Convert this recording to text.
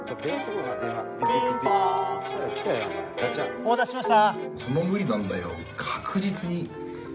お待たせしました。